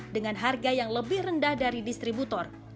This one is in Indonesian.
dengan harga yang lebih rendah dari distributor